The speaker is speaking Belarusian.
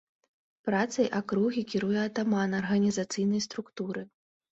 Працай акругі кіруе атаман арганізацыйнай структуры.